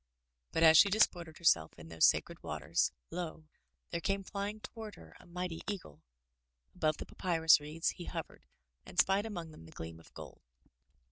But as she disported herself in those sacred waters, lo! there came flying toward her a mighty eagle. Above the papyrus reeds he hovered and spied among them the gleam of gold.